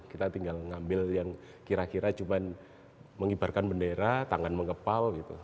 kita tinggal ngambil yang kira kira cuma mengibarkan bendera tangan mengepal gitu